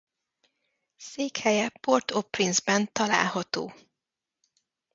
Székhelye Port-au-Prince-ben található.